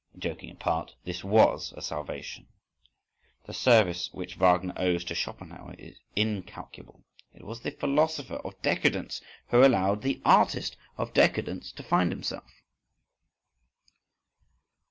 …_ Joking apart, this was a salvation. The service which Wagner owes to Schopenhauer is incalculable. It was the philosopher of decadence who allowed the artist of decadence to find himself.